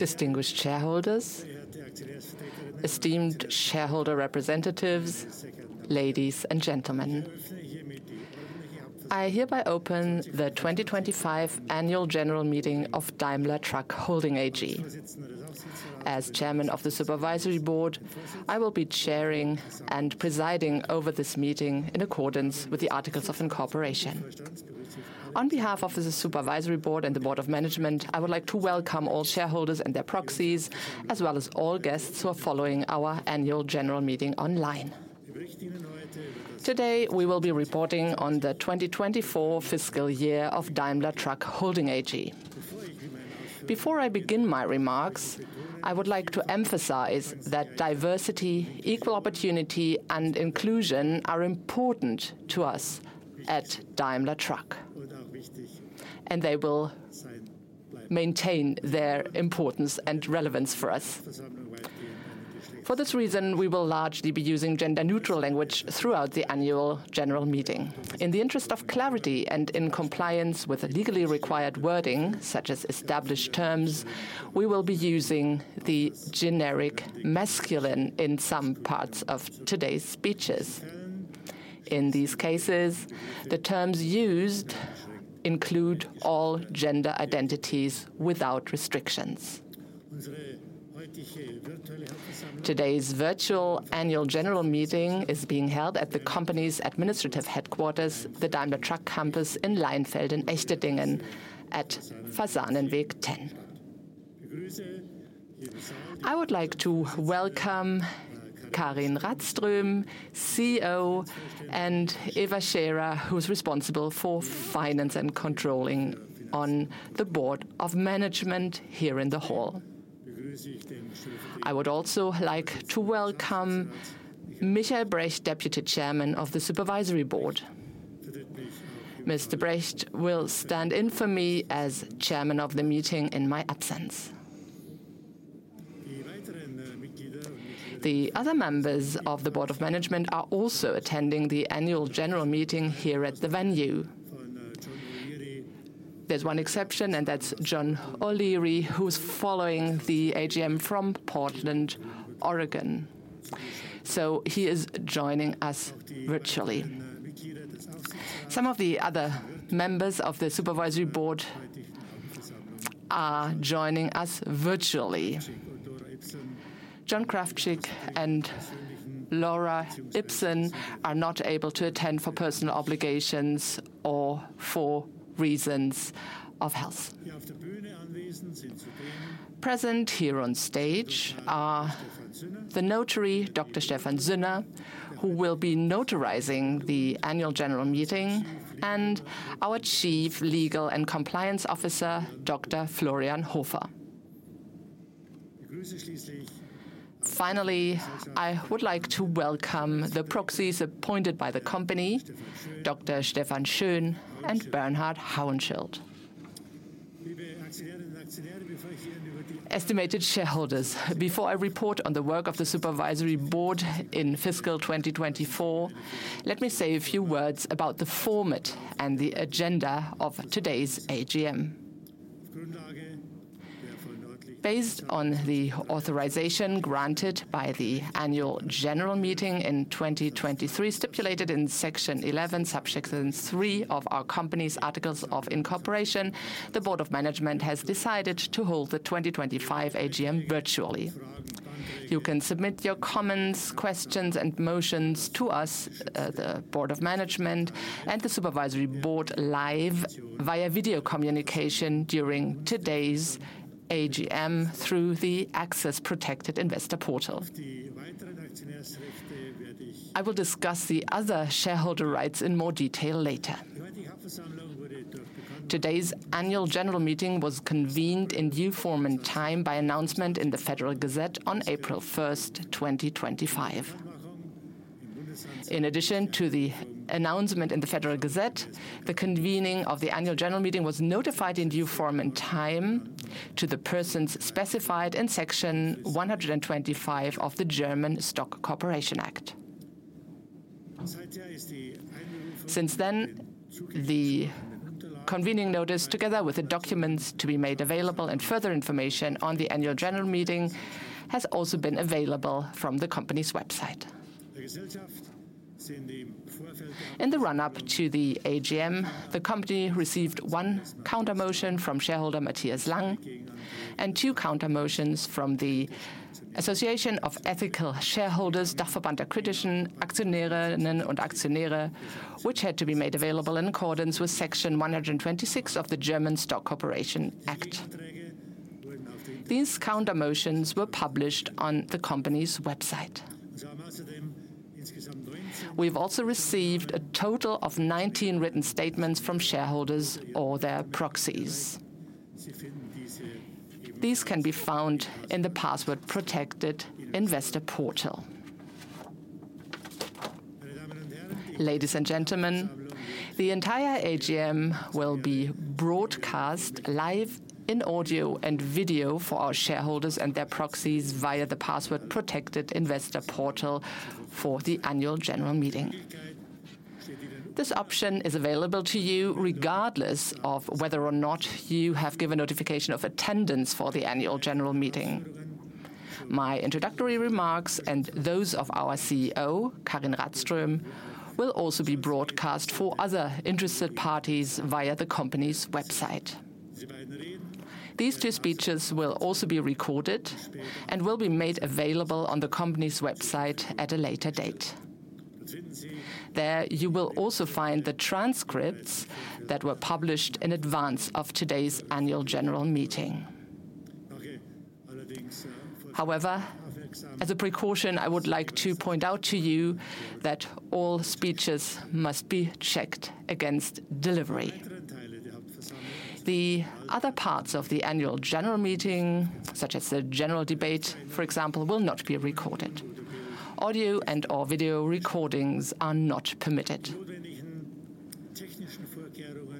Distinguished shareholders, esteemed shareholder representatives, ladies and gentlemen. I hereby open the 2025 Annual General Meeting of Daimler Truck Holding AG. As Chairman of the Supervisory Board, I will be chairing and presiding over this meeting in accordance with the Articles of Incorporation. On behalf of the Supervisory Board and the Board of Management, I would like to welcome all shareholders and their proxies, as well as all guests who are following our Annual General Meeting online. Today, we will be reporting on the 2024 fiscal year of Daimler Truck Holding AG. Before I begin my remarks, I would like to emphasize that diversity, equal opportunity, and inclusion are important to us at Daimler Truck, and they will maintain their importance and relevance for us. For this reason, we will largely be using gender-neutral language throughout the Annual General Meeting. In the interest of clarity and in compliance with legally required wording, such as established terms, we will be using the generic masculine in some parts of today's speeches. In these cases, the terms used include all gender identities without restrictions. Today's Virtual Annual General Meeting is being held at the company's administrative headquarters, the Daimler Truck Campus in Leinfelden-Echterdingen at Fasanenweg 10. I would like to welcome Karin Rådström, CEO, and Eva Scherer, who is responsible for finance and controlling on the Board of Management here in the hall. I would also like to welcome Michael Brecht, Deputy Chairman of the Supervisory Board. Mr. Brecht will stand in for me as Chairman of the Meeting in my absence. The other members of the Board of Management are also attending the Annual General Meeting here at the venue. There's one exception, and that's John O'Leary, who is following the AGM from Portland, Oregon. He is joining us virtually. Some of the other members of the Supervisory Board are joining us virtually. John Kraftschik and Laura Ibsen are not able to attend for personal obligations or for reasons of health. Present here on stage are the Notary, Dr. Stephan Sünner, who will be notarizing the Annual General Meeting, and our Chief Legal and Compliance Officer, Dr. Florian Hofer. Finally, I would like to welcome the proxies appointed by the company, Dr. Stephan Schön and Bernhard Hauenschild. Esteemed shareholders, before I report on the work of the Supervisory Board in fiscal 2024, let me say a few words about the format and the agenda of today's AGM. Based on the authorization granted by the Annual General Meeting in 2023, stipulated in Section 11, Subsection 3 of our company's Articles of Incorporation, the Board of Management has decided to hold the 2025 AGM virtually. You can submit your comments, questions, and motions to us, the Board of Management and the Supervisory Board live, via video communication during today's AGM through the Access Protected Investor Portal. I will discuss the other shareholder rights in more detail later. Today's Annual General Meeting was convened in uniform and time by announcement in the Federal Gazette on April 1st 2025. In addition to the announcement in the Federal Gazette, the convening of the Annual General Meeting was notified in uniform and time to the persons specified in Section 125 of the German Stock Corporation Act. Since then, the convening notice, together with the documents to be made available and further information on the Annual General Meeting, has also been available from the company's website. In the run-up to the AGM, the company received one counter-motion from shareholder Matthias Lang and two counter-motions from the Association of Ethical Shareholders, Dachverband der Kritischen Aktionärinnen und Aktionäre, which had to be made available in accordance with Section 126 of the German Stock Corporation Act. These counter-motions were published on the company's website. We have also received a total of 19 written statements from shareholders or their proxies. These can be found in the Password Protected Investor Portal. Ladies and gentlemen, the entire AGM will be broadcast live in audio and video for our shareholders and their proxies via the Password Protected Investor Portal for the Annual General Meeting. This option is available to you regardless of whether or not you have given notification of attendance for the Annual General Meeting. My introductory remarks and those of our CEO, Karin Rådström, will also be broadcast for other interested parties via the company's website. These two speeches will also be recorded and will be made available on the company's website at a later date. There you will also find the transcripts that were published in advance of today's Annual General Meeting. However, as a precaution, I would like to point out to you that all speeches must be checked against delivery. The other parts of the Annual General Meeting, such as the general debate, for example, will not be recorded. Audio and/or video recordings are not permitted.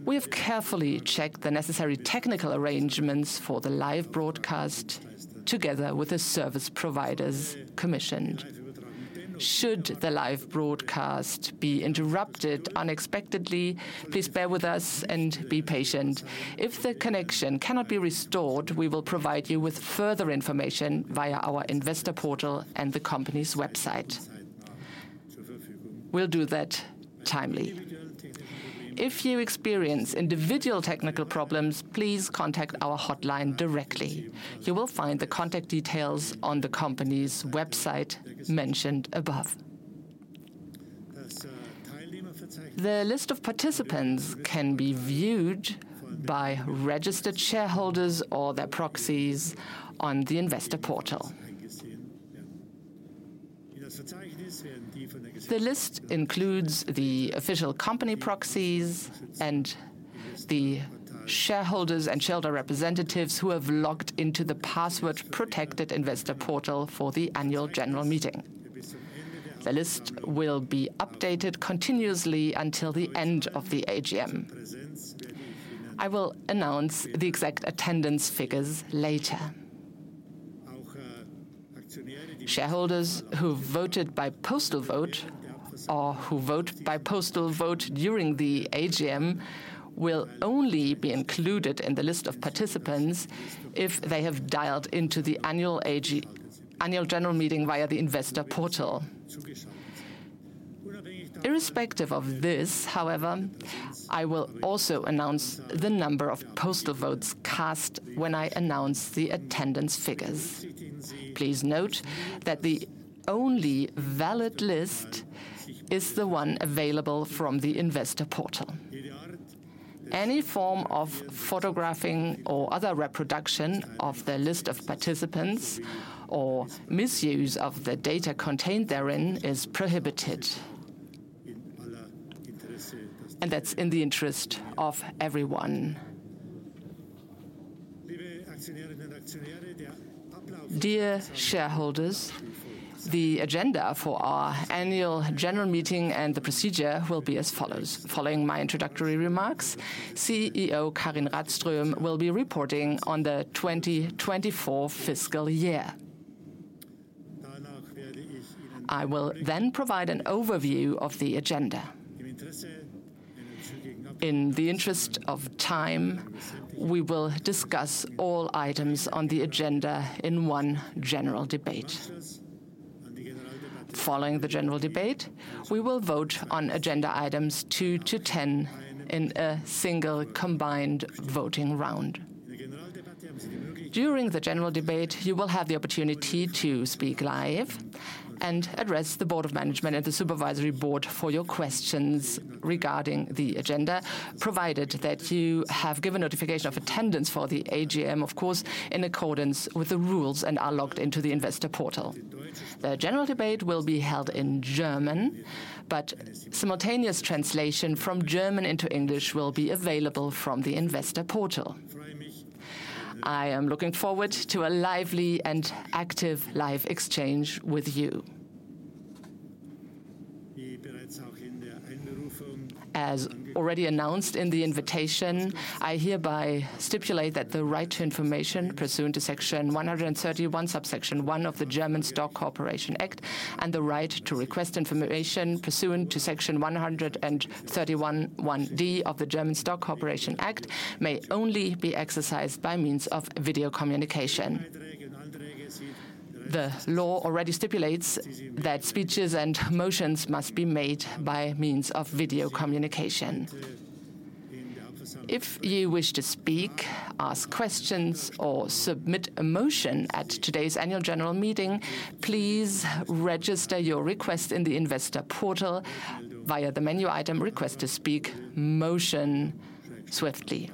We have carefully checked the necessary technical arrangements for the live broadcast together with the service providers commissioned. Should the live broadcast be interrupted unexpectedly, please bear with us and be patient. If the connection cannot be restored, we will provide you with further information via our investor portal and the company's website. We'll do that timely. If you experience individual technical problems, please contact our hotline directly. You will find the contact details on the company's website mentioned above. The list of participants can be viewed by registered shareholders or their proxies on the investor portal. The list includes the official company proxies and the shareholders and shareholder representatives who have logged into the Password Protected Investor Portal for the Annual General Meeting. The list will be updated continuously until the end of the AGM. I will announce the exact attendance figures later. Shareholders who voted by postal vote or who vote by postal vote during the AGM will only be included in the list of participants if they have dialed into the Annual General Meeting via the investor portal. Irrespective of this, however, I will also announce the number of postal votes cast when I announce the attendance figures. Please note that the only valid list is the one available from the investor portal. Any form of photographing or other reproduction of the list of participants or misuse of the data contained therein is prohibited. That is in the interest of everyone. Dear shareholders, the agenda for our Annual General Meeting and the procedure will be as follows. Following my introductory remarks, CEO Karin Rådström will be reporting on the 2024 fiscal year. I will then provide an overview of the agenda. In the interest of time, we will discuss all items on the agenda in one general debate. Following the general debate, we will vote on agenda items two to 10 in a single combined voting round. During the general debate, you will have the opportunity to speak live and address the Board of Management and the Supervisory Board for your questions regarding the agenda, provided that you have given notification of attendance for the AGM, of course, in accordance with the rules and are logged into the investor portal. The general debate will be held in German, but simultaneous translation from German into English will be available from the investor portal. I am looking forward to a lively and active live exchange with you. As already announced in the invitation, I hereby stipulate that the right to information pursuant to Section 131, Subsection 1 of the German Stock Corporation Act, and the right to request information pursuant to Section 131(1)(d) of the German Stock Corporation Act may only be exercised by means of video communication. The law already stipulates that speeches and motions must be made by means of video communication. If you wish to speak, ask questions, or submit a motion at today's Annual General Meeting, please register your request in the investor portal via the menu item "Request to Speak" motion swiftly.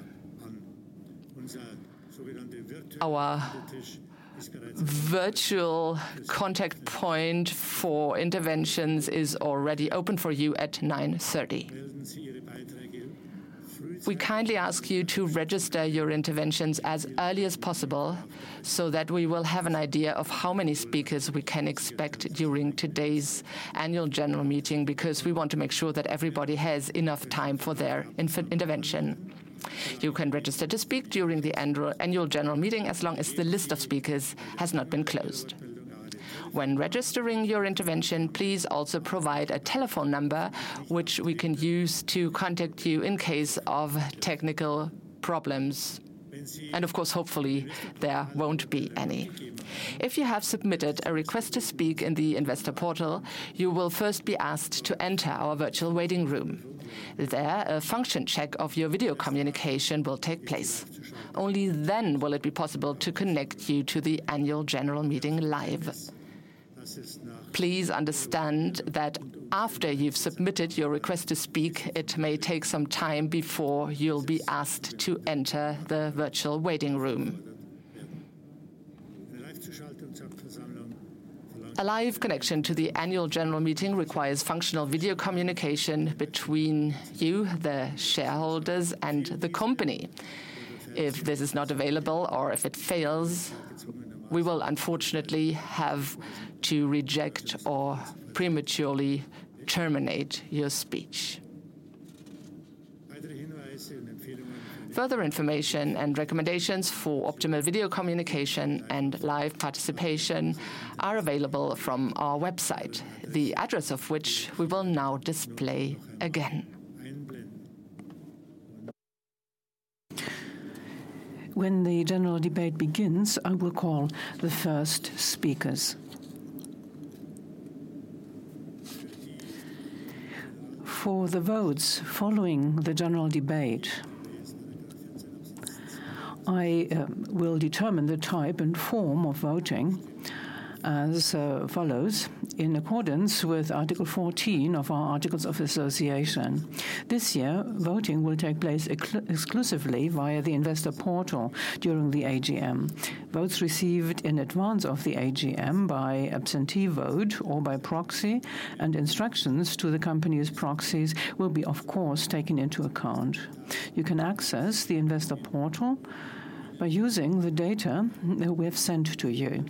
Our virtual contact point for interventions is already open for you at 9:30. We kindly ask you to register your interventions as early as possible so that we will have an idea of how many speakers we can expect during today's Annual General Meeting because we want to make sure that everybody has enough time for their intervention. You can register to speak during the Annual General Meeting as long as the list of speakers has not been closed. When registering your intervention, please also provide a telephone number which we can use to contact you in case of technical problems. Of course, hopefully, there will not be any. If you have submitted a request to speak in the investor portal, you will first be asked to enter our virtual waiting room. There, a function check of your video communication will take place. Only then will it be possible to connect you to the Annual General Meeting live. Please understand that after you've submitted your request to speak, it may take some time before you'll be asked to enter the virtual waiting room. A live connection to the Annual General Meeting requires functional video communication between you, the shareholders, and the company. If this is not available or if it fails, we will unfortunately have to reject or prematurely terminate your speech. Further information and recommendations for optimal video communication and live participation are available from our website, the address of which we will now display again. When the general debate begins, I will call the first speakers. For the votes following the general debate, I will determine the type and form of voting as follows: in accordance with Article 14 of our Articles of Association. This year, voting will take place exclusively via the investor portal during the AGM. Votes received in advance of the AGM by absentee vote or by proxy and instructions to the company's proxies will be, of course, taken into account. You can access the investor portal by using the data that we have sent to you.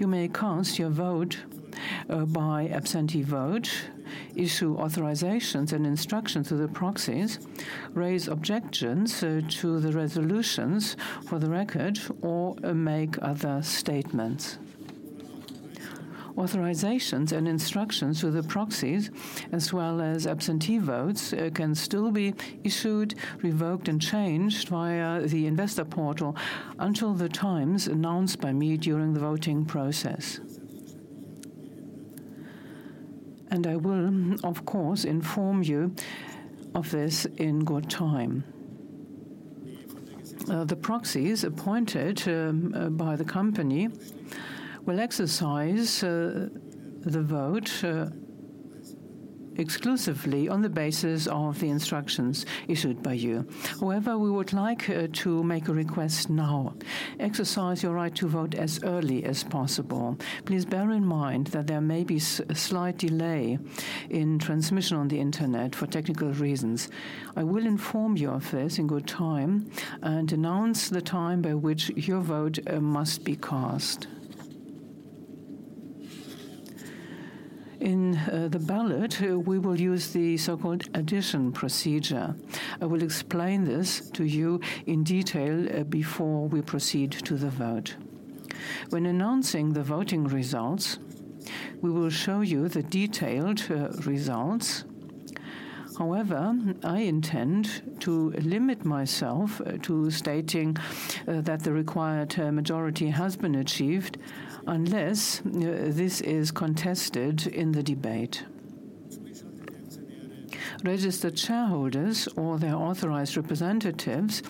You may cast your vote by absentee vote, issue authorizations and instructions to the proxies, raise objections to the resolutions for the record, or make other statements. Authorizations and instructions to the proxies, as well as absentee votes, can still be issued, revoked, and changed via the investor portal until the times announced by me during the voting process. I will, of course, inform you of this in good time. The proxies appointed by the company will exercise the vote exclusively on the basis of the instructions issued by you. However, we would like to make a request now: exercise your right to vote as early as possible. Please bear in mind that there may be a slight delay in transmission on the internet for technical reasons. I will inform you of this in good time and announce the time by which your vote must be cast. In the ballot, we will use the so-called addition procedure. I will explain this to you in detail before we proceed to the vote. When announcing the voting results, we will show you the detailed results. However, I intend to limit myself to stating that the required majority has been achieved unless this is contested in the debate. Registered shareholders or their authorized representatives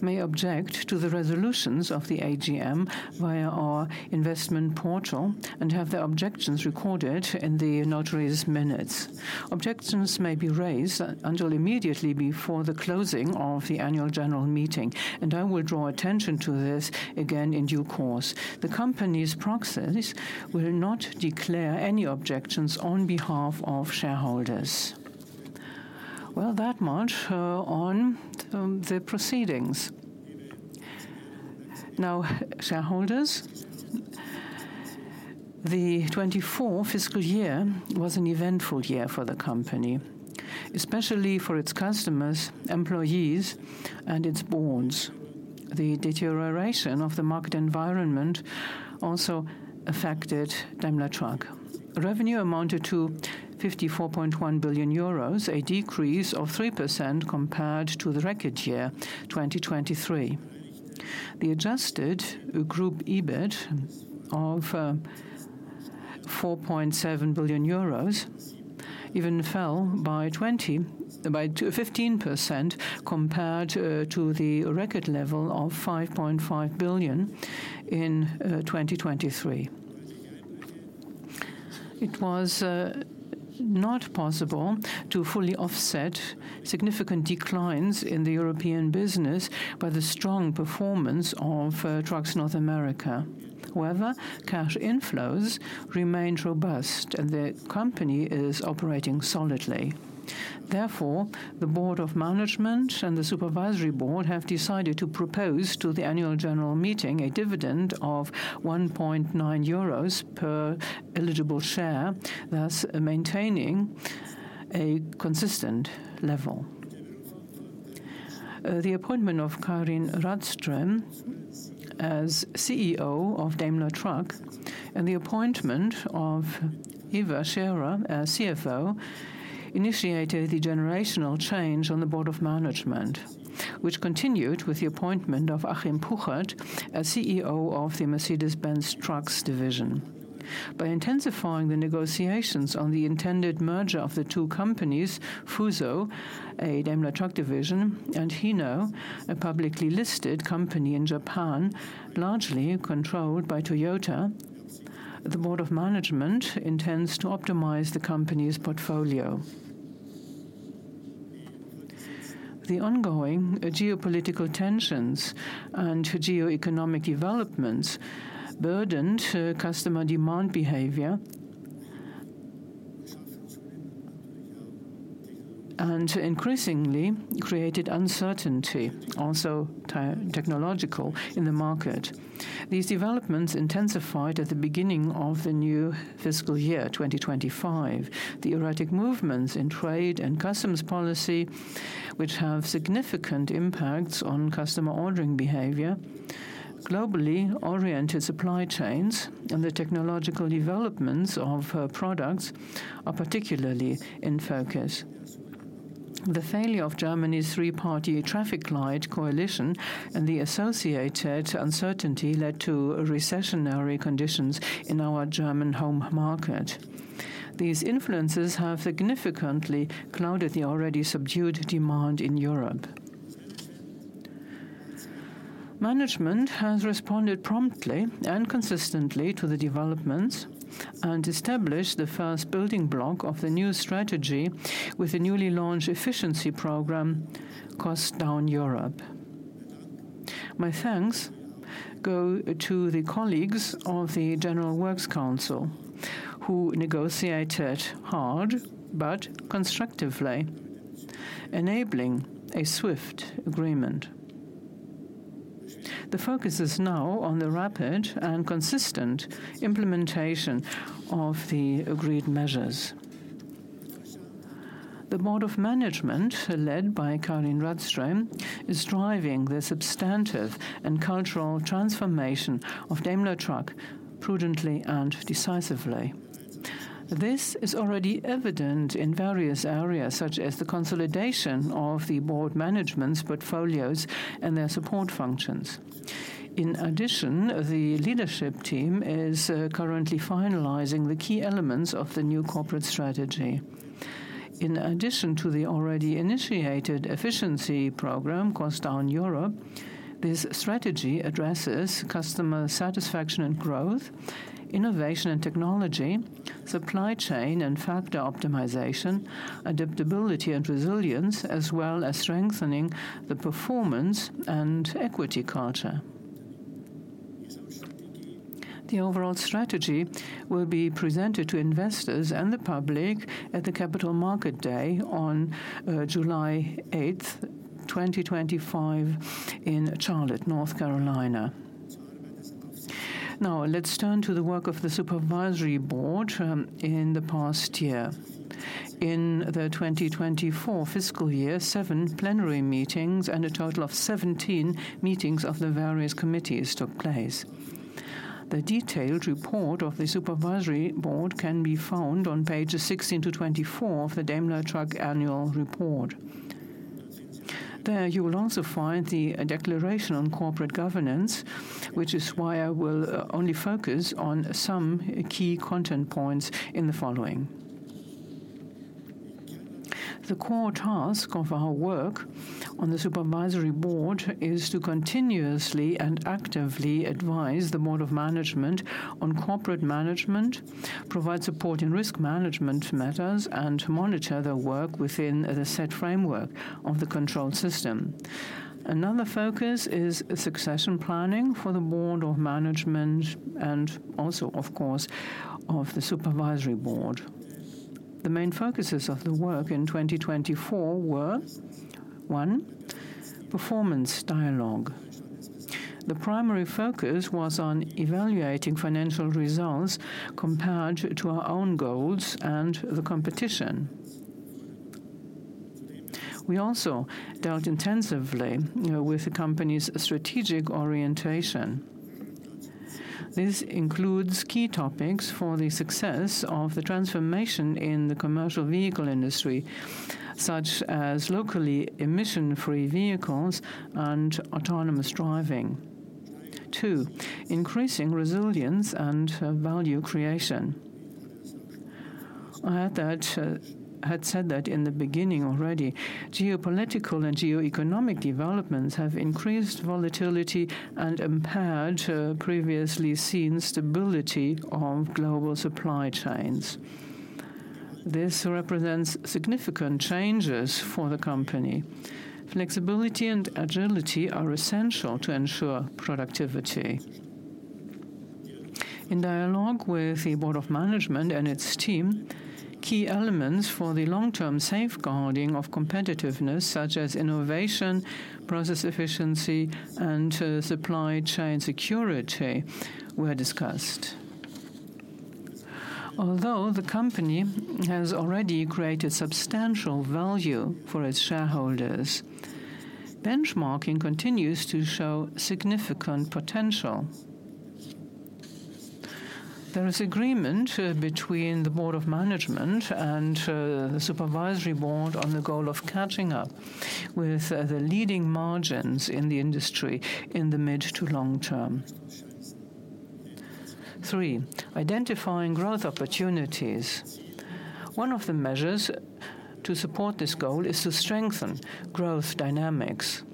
may object to the resolutions of the AGM via our investment portal and have their objections recorded in the notary's minutes. Objections may be raised until immediately before the closing of the Annual General Meeting, and I will draw attention to this again in due course. The company's proxies will not declare any objections on behalf of shareholders. That much on the proceedings. Now, shareholders, the 2024 fiscal year was an eventful year for the company, especially for its customers, employees, and its boards. The deterioration of the market environment also affected Daimler Truck. Revenue amounted to 54.1 billion euros, a decrease of 3% compared to the record year 2023. The adjusted group EBIT of 4.7 billion euros even fell by 15% compared to the record level of 5.5 billion in 2023. It was not possible to fully offset significant declines in the European business by the strong performance of Trucks North America. However, cash inflows remained robust, and the company is operating solidly. Therefore, the Board of Management and the Supervisory Board have decided to propose to the Annual General Meeting a dividend of 1.9 euros per eligible share, thus maintaining a consistent level. The appointment of Karin Rådström as CEO of Daimler Truck and the appointment of Eva Scherer, CFO, initiated the generational change on the Board of Management, which continued with the appointment of Achim Puchert as CEO of the Mercedes-Benz Trucks division. By intensifying the negotiations on the intended merger of the two companies, Fuso, a Daimler Truck division, and Hino, a publicly listed company in Japan, largely controlled by Toyota, the Board of Management intends to optimize the company's portfolio. The ongoing geopolitical tensions and geoeconomic developments burdened customer demand behavior and increasingly created uncertainty, also technological, in the market. These developments intensified at the beginning of the new fiscal year, 2025. The erratic movements in trade and customs policy, which have significant impacts on customer ordering behavior, globally oriented supply chains, and the technological developments of products are particularly in focus. The failure of Germany's three-party traffic light coalition and the associated uncertainty led to recessionary conditions in our German home market. These influences have significantly clouded the already subdued demand in Europe. Management has responded promptly and consistently to the developments and established the first building block of the new strategy with the newly launched efficiency program, Cost Down Europe. My thanks go to the colleagues of the General Works Council, who negotiated hard but constructively, enabling a swift agreement. The focus is now on the rapid and consistent implementation of the agreed measures. The Board of Management, led by Karin Rådström, is driving the substantive and cultural transformation of Daimler Truck prudently and decisively. This is already evident in various areas, such as the consolidation of the Board Management's portfolios and their support functions. In addition, the leadership team is currently finalizing the key elements of the new corporate strategy. In addition to the already initiated efficiency program, Cost Down Europe, this strategy addresses customer satisfaction and growth, innovation and technology, supply chain and factor optimization, adaptability and resilience, as well as strengthening the performance and equity culture. The overall strategy will be presented to investors and the public at the Capital Market Day on July 8th 2025, in Charlotte, North Carolina. Now, let's turn to the work of the Supervisory Board in the past year. In the 2024 fiscal year, seven plenary meetings and a total of 17 meetings of the various committees took place. The detailed report of the Supervisory Board can be found on pages 16 to 24 of the Daimler Truck annual report. There you will also find the declaration on corporate governance, which is why I will only focus on some key content points in the following. The core task of our work on the Supervisory Board is to continuously and actively advise the Board of Management on corporate management, provide support in risk management matters, and monitor their work within the set framework of the control system. Another focus is succession planning for the Board of Management and also, of course, of the Supervisory Board. The main focuses of the work in 2024 were: one, performance dialogue. The primary focus was on evaluating financial results compared to our own goals and the competition. We also dealt intensively with the company's strategic orientation. This includes key topics for the success of the transformation in the commercial vehicle industry, such as locally emission-free vehicles and autonomous driving. Two, increasing resilience and value creation. I had said that in the beginning already. Geopolitical and geoeconomic developments have increased volatility and impaired previously seen stability of global supply chains. This represents significant changes for the company. Flexibility and agility are essential to ensure productivity. In dialogue with the Board of Management and its team, key elements for the long-term safeguarding of competitiveness, such as innovation, process efficiency, and supply chain security, were discussed. Although the company has already created substantial value for its shareholders, benchmarking continues to show significant potential. There is agreement between the Board of Management and the Supervisory Board on the goal of catching up with the leading margins in the industry in the mid to long term. Three, identifying growth opportunities. One of the measures to support this goal is to strengthen growth dynamics.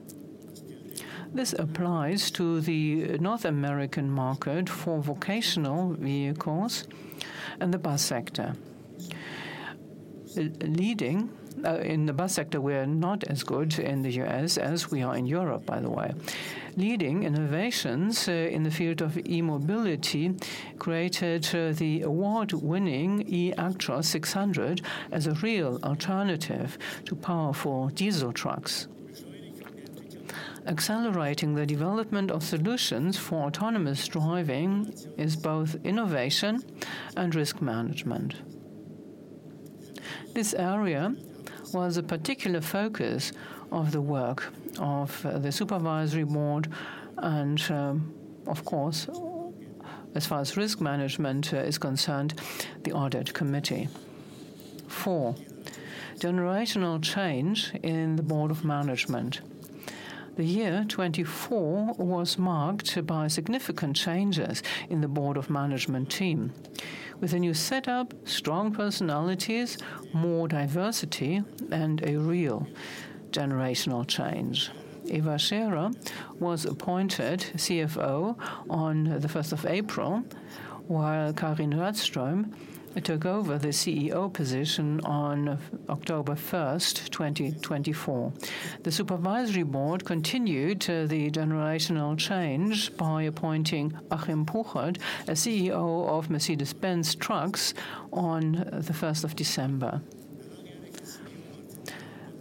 This applies to the North American market for vocational vehicles and the bus sector. Leading in the bus sector, we are not as good in the U.S. as we are in Europe, by the way. Leading innovations in the field of e-mobility created the award-winning eActros 600 as a real alternative to powerful diesel trucks. Accelerating the development of solutions for autonomous driving is both innovation and risk management. This area was a particular focus of the work of the Supervisory Board and, of course, as far as risk management is concerned, the Audit Committee. Four, generational change in the Board of Management. The year 2024 was marked by significant changes in the Board of Management team, with a new setup, strong personalities, more diversity, and a real generational change. Eva Scherer was appointed CFO on the 1st of April, while Karin Rådström took over the CEO position on October 1st, 2024. The Supervisory Board continued the generational change by appointing Achim Puchert, a CEO of Mercedes-Benz Trucks, on the 1st of December.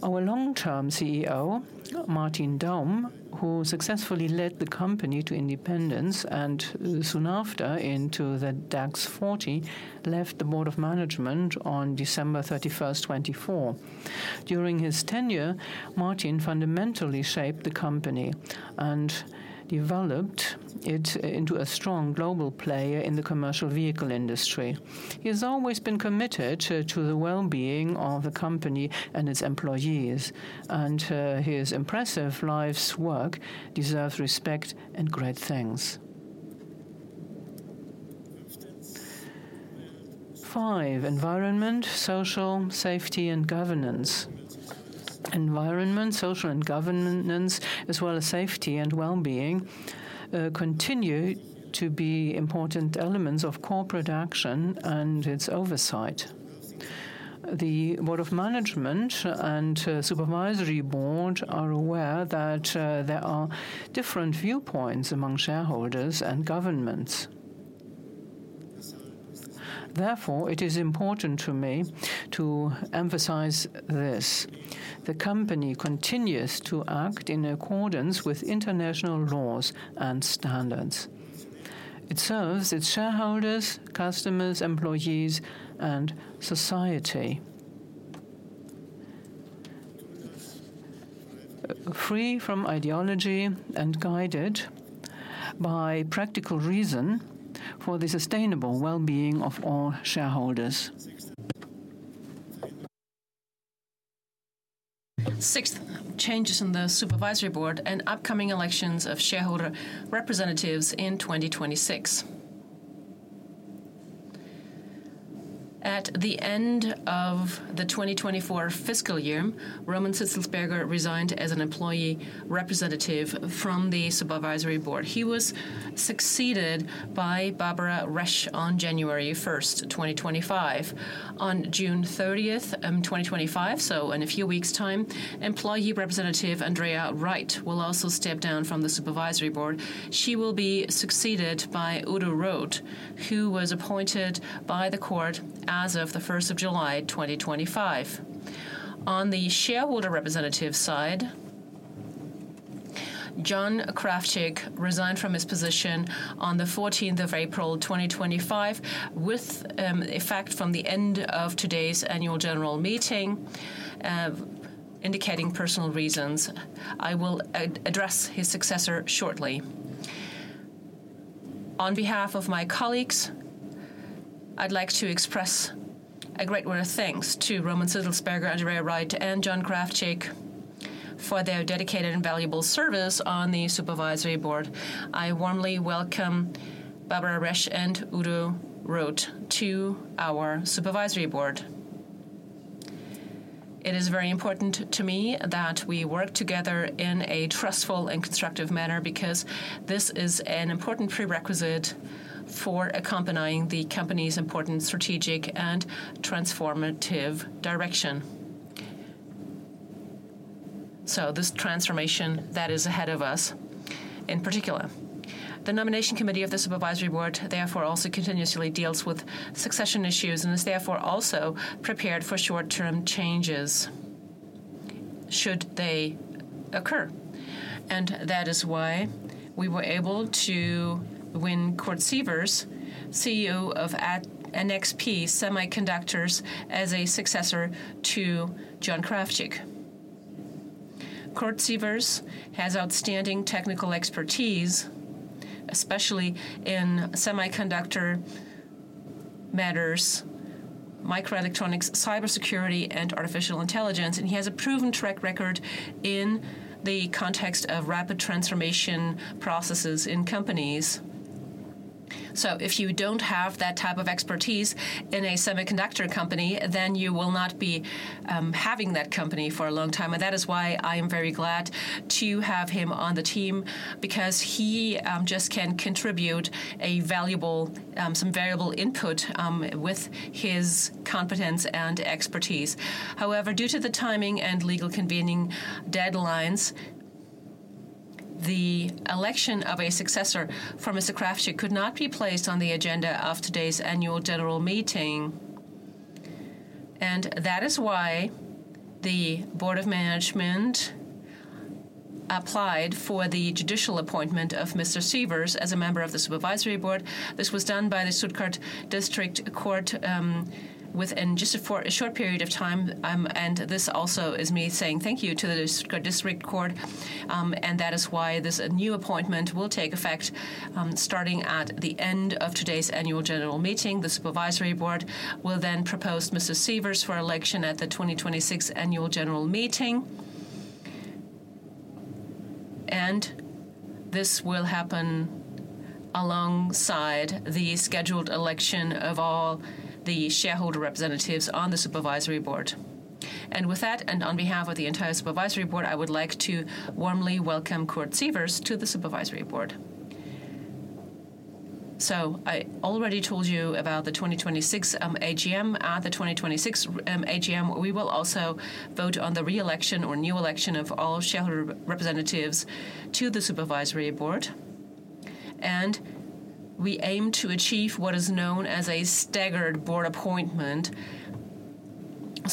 Our long-term CEO, Martin Daum, who successfully led the company to independence and soon after into the DAX 40, left the Board of Management on December 31st, 2024. During his tenure, Martin fundamentally shaped the company and developed it into a strong global player in the commercial vehicle industry. He has always been committed to the well-being of the company and its employees, and his impressive life's work deserves respect and great thanks. Five, environment, social, safety, and governance. Environment, social, and governance, as well as safety and well-being, continue to be important elements of corporate action and its oversight. The Board of Management and Supervisory Board are aware that there are different viewpoints among shareholders and governments. Therefore, it is important to me to emphasize this. The company continues to act in accordance with international laws and standards. It serves its shareholders, customers, employees, and society. Free from ideology and guided by practical reason for the sustainable well-being of all shareholders. Sixth, changes in the Supervisory Board and upcoming elections of shareholder representatives in 2026. At the end of the 2024 fiscal year, Roman Zitzelsberger resigned as an employee representative from the Supervisory Board. He was succeeded by Barbara Resch on January 1st, 2025. On June 30th, 2025, so in a few weeks' time, employee representative Andrea Wright will also step down from the Supervisory Board. She will be succeeded by Udo Roth, who was appointed by the court as of the 1st of July, 2025. On the shareholder representative side, John Krawczyk resigned from his position on the 14th of April, 2025, with effect from the end of today's annual general meeting, indicating personal reasons. I will address his successor shortly. On behalf of my colleagues, I'd like to express a great word of thanks to Roman Zitzelsberger, Andrea Wright, and John Krawczyk for their dedicated and valuable service on the Supervisory Board. I warmly welcome Barbara Resch and Udo Roth to our Supervisory Board. It is very important to me that we work together in a trustful and constructive manner because this is an important prerequisite for accompanying the company's important strategic and transformative direction. This transformation that is ahead of us, in particular, the Nomination Committee of the Supervisory Board, therefore, also continuously deals with succession issues and is therefore also prepared for short-term changes should they occur. That is why we were able to win Kurt Seivers, CEO of NXP Semiconductors, as a successor to John Krawczyk. Kurt Seivers has outstanding technical expertise, especially in semiconductor matters, microelectronics, cybersecurity, and artificial intelligence, and he has a proven track record in the context of rapid transformation processes in companies. If you do not have that type of expertise in a semiconductor company, then you will not be having that company for a long time. That is why I am very glad to have him on the team because he just can contribute some valuable input with his competence and expertise. However, due to the timing and legal convening deadlines, the election of a successor for Mr. Krawczyk could not be placed on the agenda of today's annual general meeting. That is why the Board of Management applied for the judicial appointment of Mr. Seivers as a member of the Supervisory Board. This was done by the Stuttgart District Court within just a short period of time. This also is me saying thank you to the Stuttgart District Court. That is why this new appointment will take effect starting at the end of today's Annual General Meeting. The Supervisory Board will then propose Mr. Seivers for election at the 2026 Annual General Meeting. This will happen alongside the scheduled election of all the shareholder representatives on the Supervisory Board. With that, and on behalf of the entire Supervisory Board, I would like to warmly welcome Kurt Seivers to the Supervisory Board. I already told you about the 2026 AGM. At the 2026 AGM, we will also vote on the re-election or new election of all shareholder representatives to the Supervisory Board. We aim to achieve what is known as a staggered board appointment.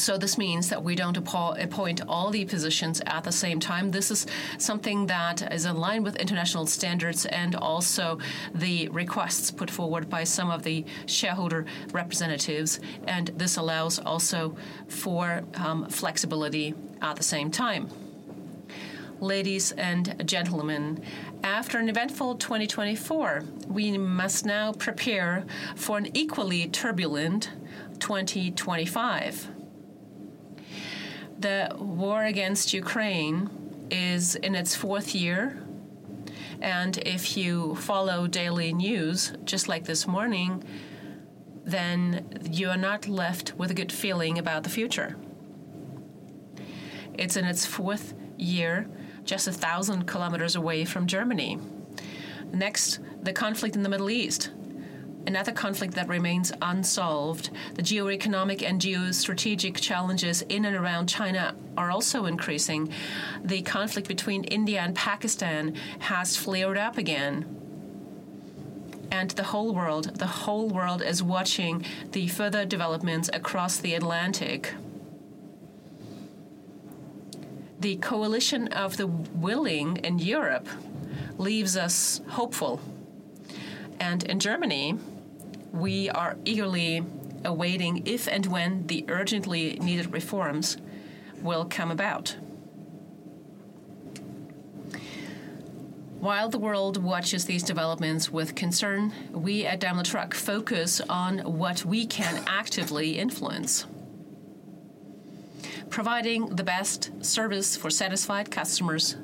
This means that we do not appoint all the positions at the same time. This is something that is in line with international standards and also the requests put forward by some of the shareholder representatives. This allows also for flexibility at the same time. Ladies and gentlemen, after an eventful 2024, we must now prepare for an equally turbulent 2025. The war against Ukraine is in its fourth year. If you follow daily news, just like this morning, you are not left with a good feeling about the future. It is in its fourth year, just 1,000 km away from Germany. Next, the conflict in the Middle East, another conflict that remains unsolved. The geoeconomic and geostrategic challenges in and around China are also increasing. The conflict between India and Pakistan has flared up again. The whole world, the whole world is watching the further developments across the Atlantic. The coalition of the willing in Europe leaves us hopeful. In Germany, we are eagerly awaiting if and when the urgently needed reforms will come about. While the world watches these developments with concern, we at Daimler Truck focus on what we can actively influence, providing the best service for satisfied customers,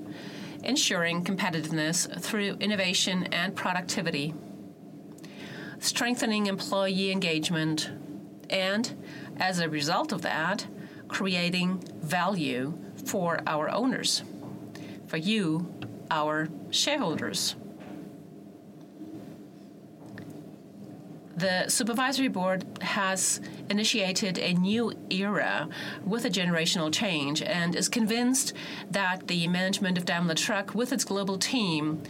ensuring competitiveness through innovation and productivity, strengthening employee engagement, and as a result of that, creating value for our owners, for you, our shareholders. The Supervisory Board has initiated a new era with a generational change and is convinced that the management of Daimler Truck, with its global team,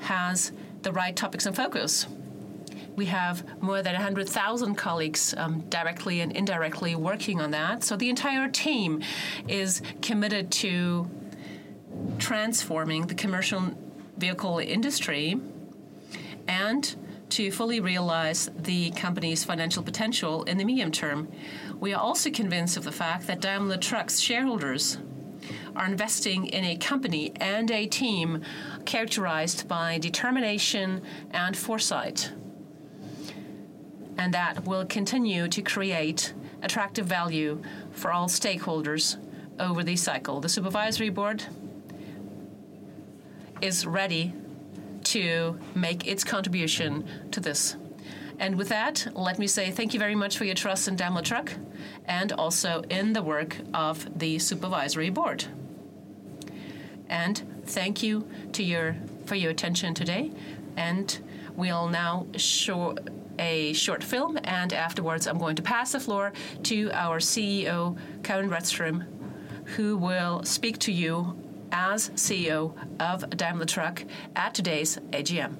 has the right topics and focus. We have more than 100,000 colleagues directly and indirectly working on that. The entire team is committed to transforming the commercial vehicle industry and to fully realize the company's financial potential in the medium term. We are also convinced of the fact that Daimler Truck's shareholders are investing in a company and a team characterized by determination and foresight, and that will continue to create attractive value for all stakeholders over the cycle. The Supervisory Board is ready to make its contribution to this. With that, let me say thank you very much for your trust in Daimler Truck and also in the work of the Supervisory Board. Thank you for your attention today. We will now show a short film, and afterwards, I am going to pass the floor to our CEO, Karin Rådström, who will speak to you as CEO of Daimler Truck at today's AGM.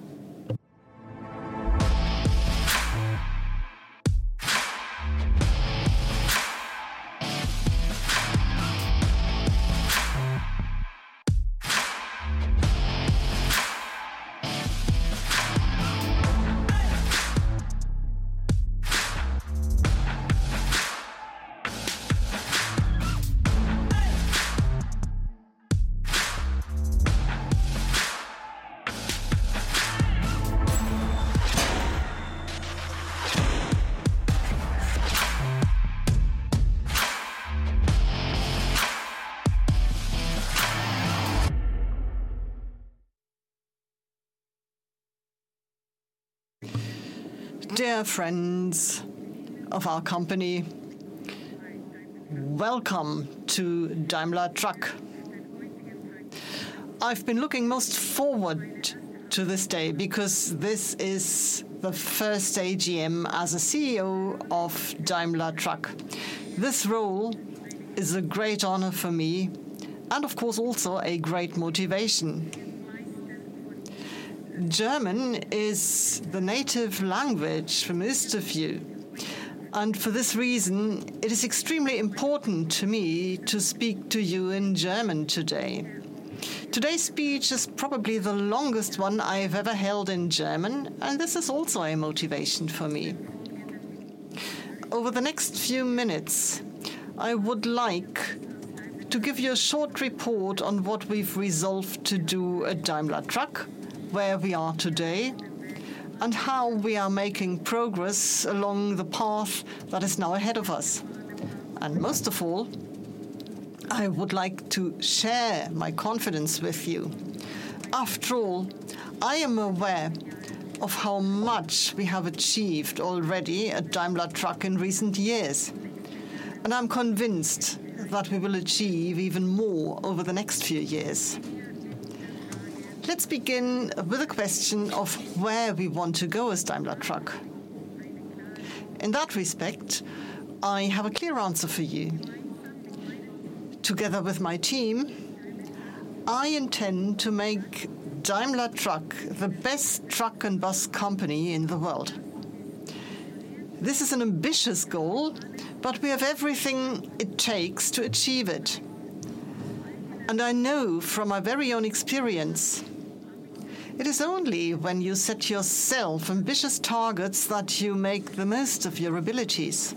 Dear friends of our company, welcome to Daimler Truck. I've been looking most forward to this day because this is the first AGM as a CEO of Daimler Truck. This role is a great honor for me and, of course, also a great motivation. German is the native language for most of you. For this reason, it is extremely important to me to speak to you in German today. Today's speech is probably the longest one I've ever held in German, and this is also a motivation for me. Over the next few minutes, I would like to give you a short report on what we've resolved to do at Daimler Truck, where we are today, and how we are making progress along the path that is now ahead of us. Most of all, I would like to share my confidence with you. After all, I am aware of how much we have achieved already at Daimler Truck in recent years, and I'm convinced that we will achieve even more over the next few years. Let's begin with a question of where we want to go as Daimler Truck. In that respect, I have a clear answer for you. Together with my team, I intend to make Daimler Truck the best truck and bus company in the world. This is an ambitious goal, but we have everything it takes to achieve it. I know from my very own experience, it is only when you set yourself ambitious targets that you make the most of your abilities.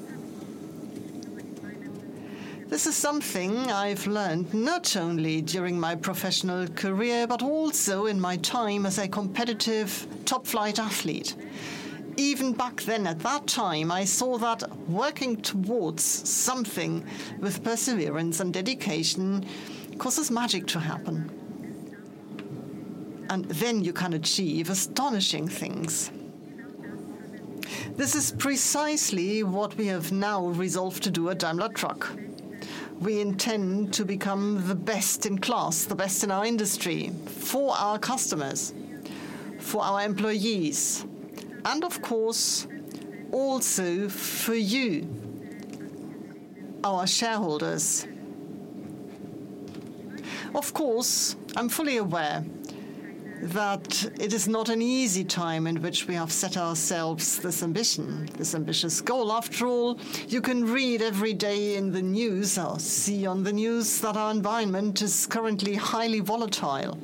This is something I've learned not only during my professional career, but also in my time as a competitive top-flight athlete. Even back then, at that time, I saw that working towards something with perseverance and dedication causes magic to happen. Then you can achieve astonishing things. This is precisely what we have now resolved to do at Daimler Truck. We intend to become the best in class, the best in our industry, for our customers, for our employees, and of course, also for you, our shareholders. Of course, I'm fully aware that it is not an easy time in which we have set ourselves this ambition, this ambitious goal. After all, you can read every day in the news or see on the news that our environment is currently highly volatile.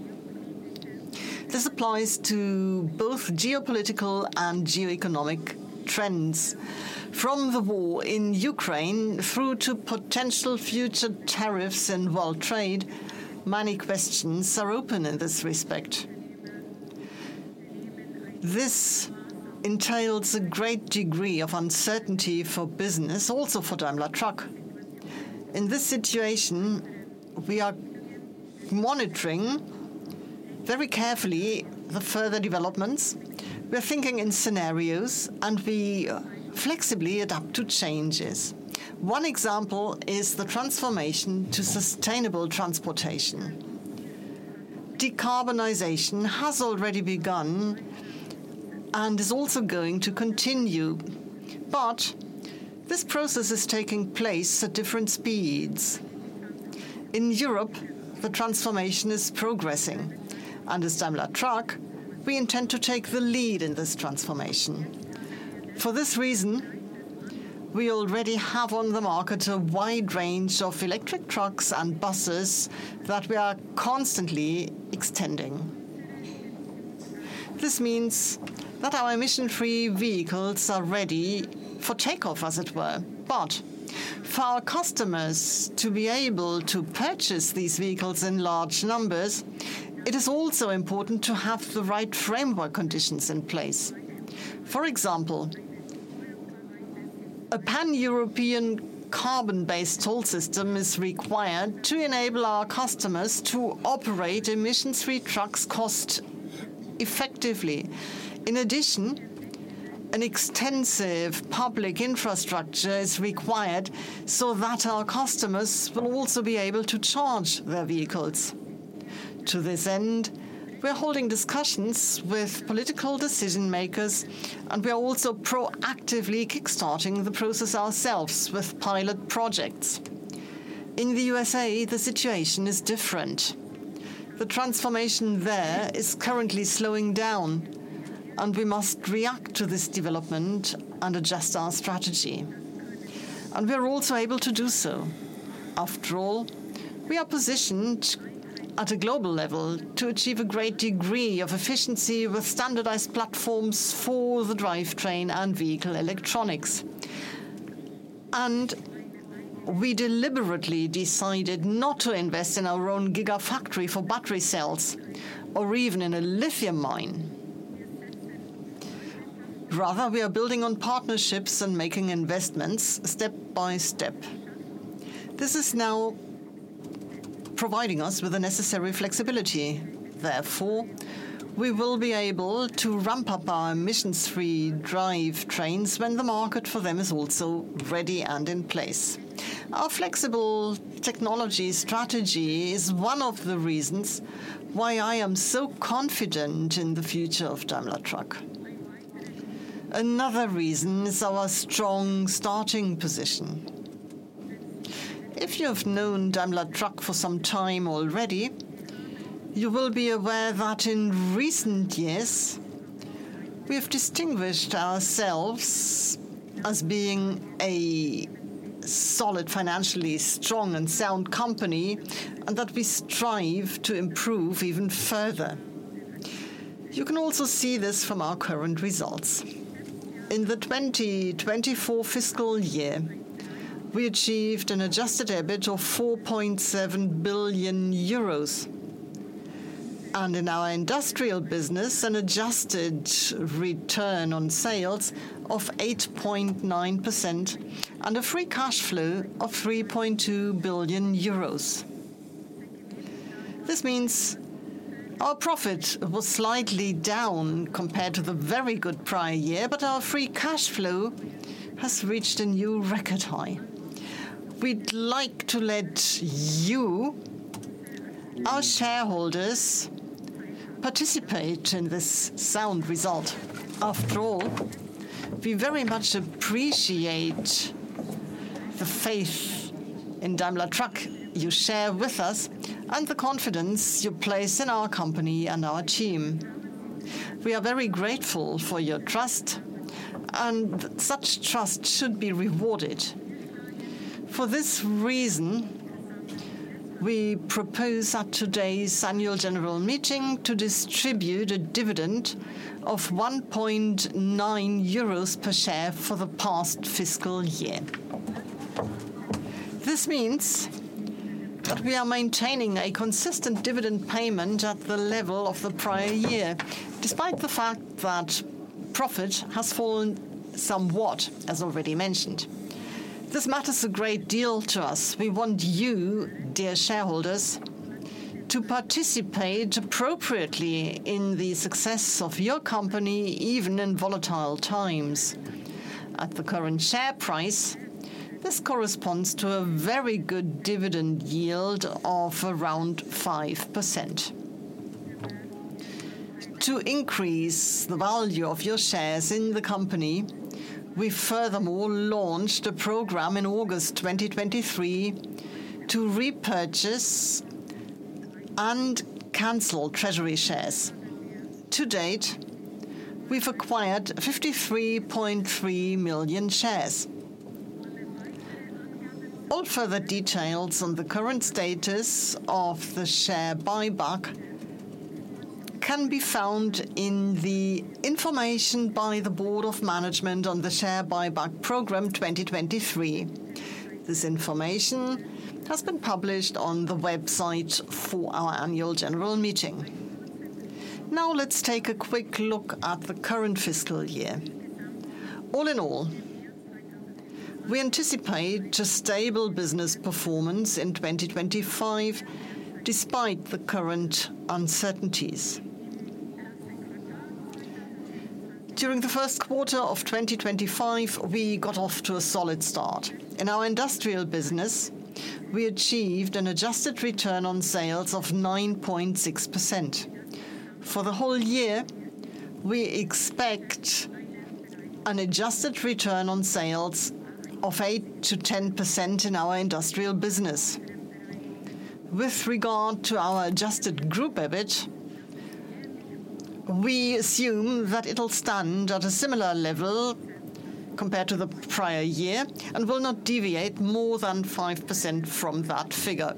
This applies to both geopolitical and geoeconomic trends. From the war in Ukraine through to potential future tariffs and world trade, many questions are open in this respect. This entails a great degree of uncertainty for business, also for Daimler Truck. In this situation, we are monitoring very carefully the further developments. We're thinking in scenarios, and we flexibly adapt to changes. One example is the transformation to sustainable transportation. Decarbonization has already begun and is also going to continue, but this process is taking place at different speeds. In Europe, the transformation is progressing. As Daimler Truck, we intend to take the lead in this transformation. For this reason, we already have on the market a wide range of electric trucks and buses that we are constantly extending. This means that our emission-free vehicles are ready for takeoff, as it were. For our customers to be able to purchase these vehicles in large numbers, it is also important to have the right framework conditions in place. For example, a pan-European carbon-based toll system is required to enable our customers to operate emission-free trucks cost-effectively. In addition, an extensive public infrastructure is required so that our customers will also be able to charge their vehicles. To this end, we're holding discussions with political decision-makers, and we are also proactively kickstarting the process ourselves with pilot projects. In the USA, the situation is different. The transformation there is currently slowing down, and we must react to this development and adjust our strategy. We are also able to do so. After all, we are positioned at a global level to achieve a great degree of efficiency with standardized platforms for the drivetrain and vehicle electronics. We deliberately decided not to invest in our own gigafactory for battery cells or even in a lithium mine. Rather, we are building on partnerships and making investments step by step. This is now providing us with the necessary flexibility. Therefore, we will be able to ramp up our emission-free drivetrains when the market for them is also ready and in place. Our flexible technology strategy is one of the reasons why I am so confident in the future of Daimler Truck. Another reason is our strong starting position. If you have known Daimler Truck for some time already, you will be aware that in recent years, we have distinguished ourselves as being a solid, financially strong, and sound company and that we strive to improve even further. You can also see this from our current results. In the 2024 fiscal year, we achieved an adjusted EBIT of 4.7 billion euros. In our industrial business, an adjusted return on sales of 8.9% and a free cash flow of 3.2 billion euros. This means our profit was slightly down compared to the very good prior year, but our free cash flow has reached a new record high. We'd like to let you, our shareholders, participate in this sound result. After all, we very much appreciate the faith in Daimler Truck you share with us and the confidence you place in our company and our team. We are very grateful for your trust, and such trust should be rewarded. For this reason, we propose at today's annual general meeting to distribute a dividend of 1.90 euros per share for the past fiscal year. This means that we are maintaining a consistent dividend payment at the level of the prior year, despite the fact that profit has fallen somewhat, as already mentioned. This matters a great deal to us. We want you, dear shareholders, to participate appropriately in the success of your company, even in volatile times. At the current share price, this corresponds to a very good dividend yield of around 5%. To increase the value of your shares in the company, we furthermore launched a program in August 2023 to repurchase and cancel treasury shares. To date, we've acquired 53.3 million shares. All further details on the current status of the share buyback can be found in the information by the Board of Management on the share Buyback program 2023 This information has been published on the website for our annual general meeting. Now, let's take a quick look at the current fiscal year. All in all, we anticipate a stable business performance in 2025 despite the current uncertainties. During the first quarter of 2025, we got off to a solid start. In our industrial business, we achieved an adjusted return on sales of 9.6%. For the whole year, we expect an adjusted return on sales of 8% to 10% in our industrial business. With regard to our adjusted group EBIT, we assume that it'll stand at a similar level compared to the prior year and will not deviate more than 5% from that figure.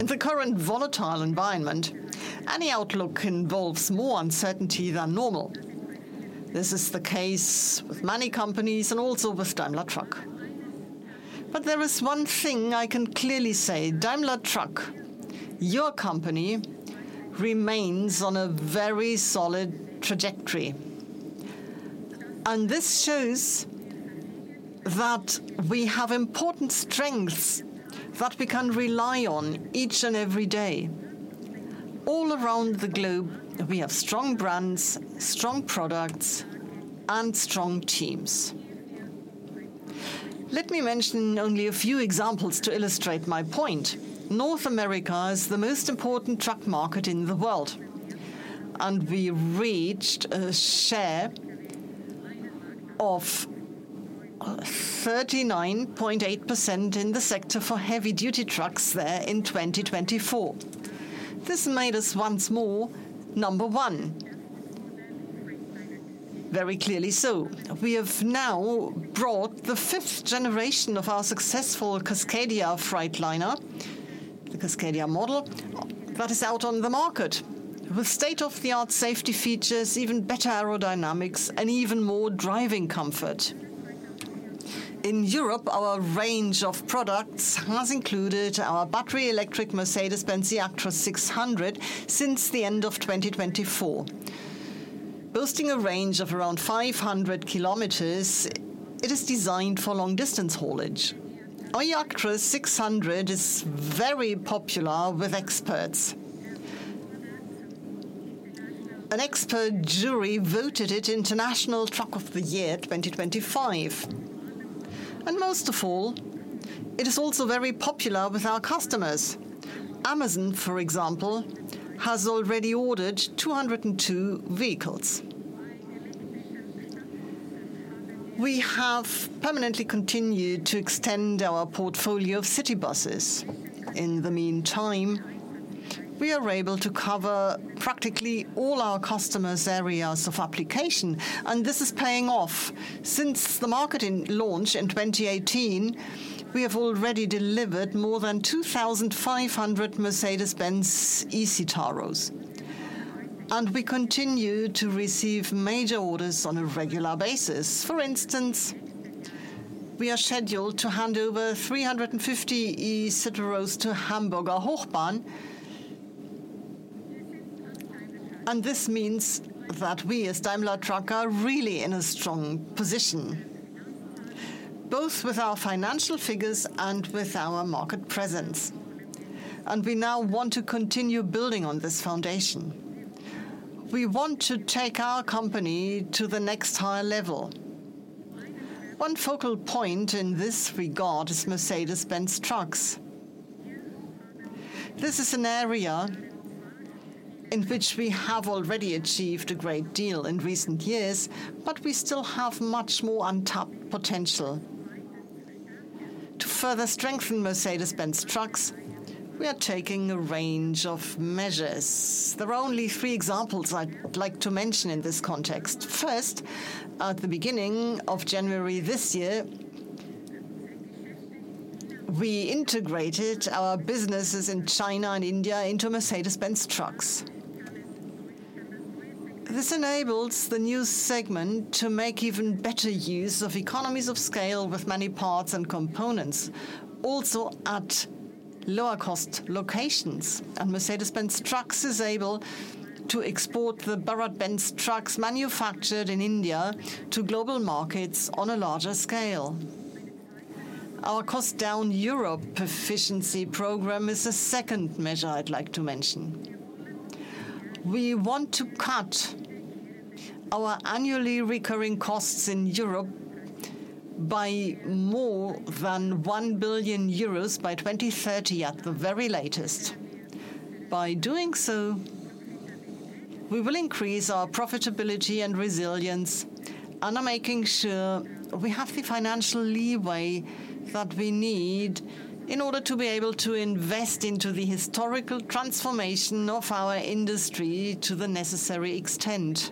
In the current volatile environment, any outlook involves more uncertainty than normal. This is the case with many companies and also with Daimler Truck. There is one thing I can clearly say: Daimler Truck, your company, remains on a very solid trajectory. This shows that we have important strengths that we can rely on each and every day. All around the globe, we have strong brands, strong products, and strong teams. Let me mention only a few examples to illustrate my point. North America is the most important truck market in the world, and we reached a share of 39.8% in the sector for heavy-duty trucks there in 2024. This made us once more number one. Very clearly so. We have now brought the fifth generation of our successful Cascadia Freightliner, the Cascadia model, that is out on the market with state-of-the-art safety features, even better aerodynamics, and even more driving comfort. In Europe, our range of products has included our battery-electric Mercedes-Benz eActros 600 since the end of 2024. Boasting a range of around 500 km, it is designed for long-distance haulage. Our eActros 600 is very popular with experts. An expert jury voted it International Truck of the Year 2025. Most of all, it is also very popular with our customers. Amazon, for example, has already ordered 202 vehicles. We have permanently continued to extend our portfolio of city buses. In the meantime, we are able to cover practically all our customers' areas of application, and this is paying off. Since the market launch in 2018, we have already delivered more than 2,500 Mercedes-Benz Citaros. We continue to receive major orders on a regular basis. For instance, we are scheduled to hand over 350 E-Citaros to Hamburger Hochbahn. This means that we as Daimler Truck are really in a strong position, both with our financial figures and with our market presence. We now want to continue building on this foundation. We want to take our company to the next higher level. One focal point in this regard is Mercedes-Benz Trucks. This is an area in which we have already achieved a great deal in recent years, but we still have much more untapped potential. To further strengthen Mercedes-Benz Trucks, we are taking a range of measures. There are only three examples I'd like to mention in this context. First, at the beginning of January this year, we integrated our businesses in China and India into Mercedes-Benz Trucks. This enables the new segment to make even better use of economies of scale with many parts and components, also at lower-cost locations. Mercedes-Benz Trucks are able to export the BharatBenz trucks manufactured in India to global markets on a larger scale. Our Cost Down Europe efficiency program is a second measure I'd like to mention. We want to cut our annually recurring costs in Europe by more than 1 billion euros by 2030 at the very latest. By doing so, we will increase our profitability and resilience and are making sure we have the financial leeway that we need in order to be able to invest into the historical transformation of our industry to the necessary extent.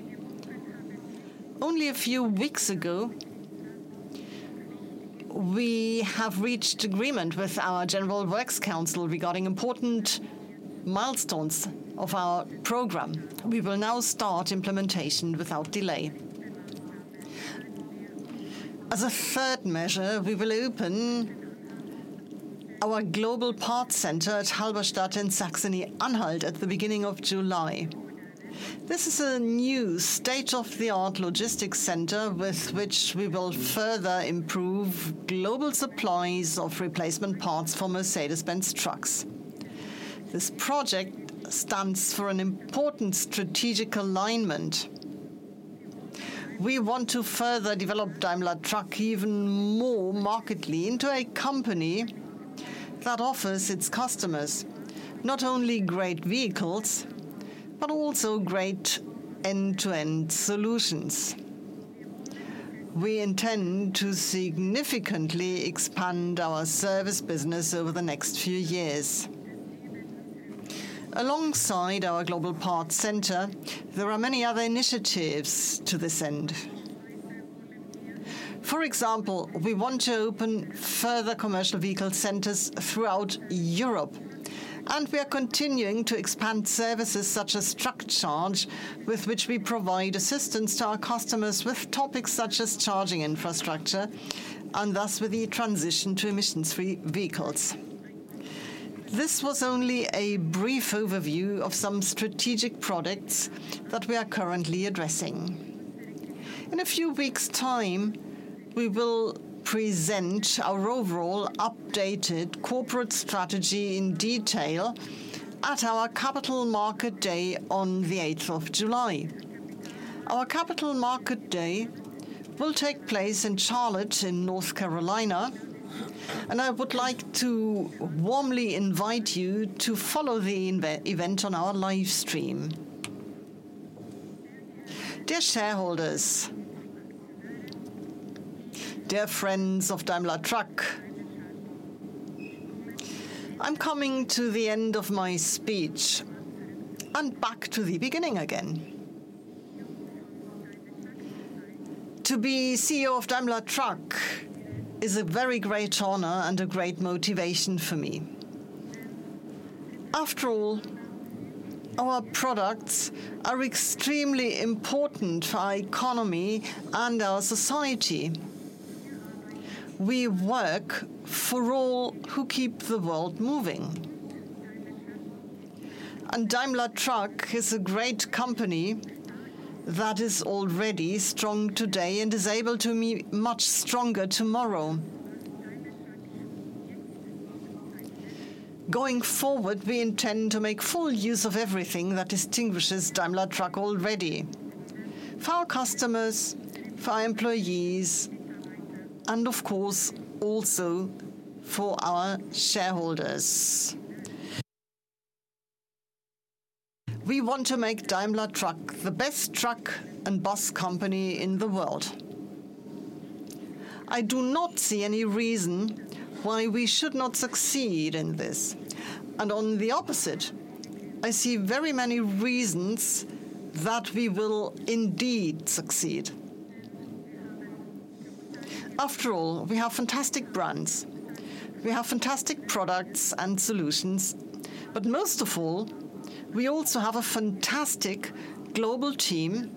Only a few weeks ago, we have reached agreement with our General Works Council regarding important milestones of our program. We will now start implementation without delay. As a third measure, we will open our global parts center at Halberstadt in Saxony-Anhalt at the beginning of July. This is a new state-of-the-art logistics center with which we will further improve global supplies of replacement parts for Mercedes-Benz Trucks. This project stands for an important strategic alignment. We want to further develop Daimler Truck even more markedly into a company that offers its customers not only great vehicles, but also great end-to-end solutions. We intend to significantly expand our service business over the next few years. Alongside our global parts center, there are many other initiatives to this end. For example, we want to open further commercial vehicle centers throughout Europe. We are continuing to expand services such as Truck Charge, with which we provide assistance to our customers with topics such as charging infrastructure and thus with the transition to emission-free vehicles. This was only a brief overview of some strategic products that we are currently addressing. In a few weeks' time, we will present our overall updated corporate strategy in detail at our Capital Market Day on the 8th of July. Our Capital Market Day will take place in Charlotte in North Carolina, and I would like to warmly invite you to follow the event on our live stream. Dear shareholders, dear friends of Daimler Truck, I am coming to the end of my speech and back to the beginning again. To be CEO of Daimler Truck is a very great honor and a great motivation for me. After all, our products are extremely important for our economy and our society. We work for all who keep the world moving. Daimler Truck is a great company that is already strong today and is able to be much stronger tomorrow. Going forward, we intend to make full use of everything that distinguishes Daimler Truck already for our customers, for our employees, and of course, also for our shareholders. We want to make Daimler Truck the best truck and bus company in the world. I do not see any reason why we should not succeed in this. On the opposite, I see very many reasons that we will indeed succeed. After all, we have fantastic brands. We have fantastic products and solutions. Most of all, we also have a fantastic global team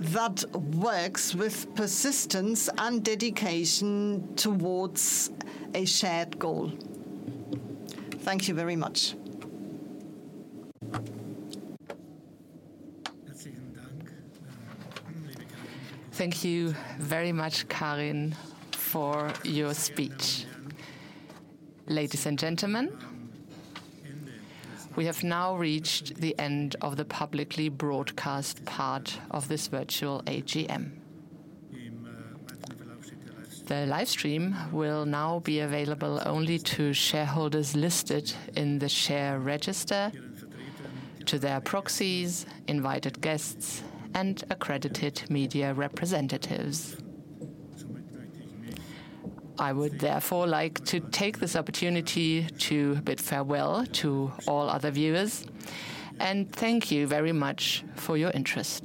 that works with persistence and dedication towards a shared goal. Thank you very much. Thank you very much, Karin, for your speech. Ladies and gentlemen, we have now reached the end of the publicly broadcast part of this virtual AGM. The live stream will now be available only to shareholders listed in the share register, to their proxies, invited guests, and accredited media representatives. I would therefore like to take this opportunity to bid farewell to all other viewers and thank you very much for your interest.